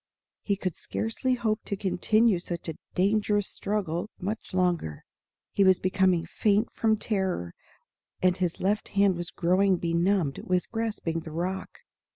He could scarcely hope to continue such a dangerous struggle much longer. He was becoming faint from terror, and his left hand was fast growing benumbed with grasping the rock.